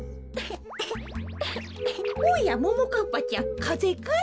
おやももかっぱちゃんかぜかい？